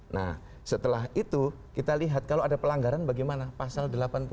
nah setelah itu kita lihat kalau ada pelanggaran bagaimana pasal delapan puluh delapan